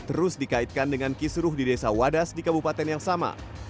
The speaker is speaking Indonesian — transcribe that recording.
terus dikaitkan dengan kisruh di desa wadas di kabupaten yang sama